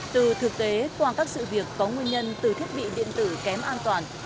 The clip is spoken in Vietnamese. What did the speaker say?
từ thực tế qua các sự việc có nguyên nhân từ thiết bị điện tử kém an toàn